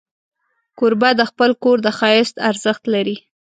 کوربه د خپل کور د ښایست ارزښت لري.